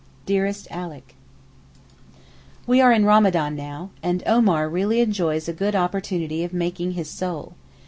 DEAREST ALICK, We are in Ramadan now, and Omar really enjoys a good opportunity of 'making his soul.